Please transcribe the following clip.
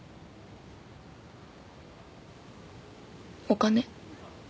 お金。